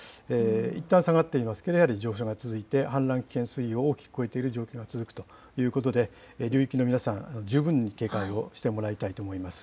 いったん下がっていますが、やはり、上昇が続いて、氾濫危険水位を大きく超えている状況が続くということで、流域の皆さん、十分に警戒をしてもらいたいと思います。